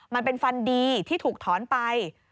มันเป็นฟันดีที่ถูกถอนไป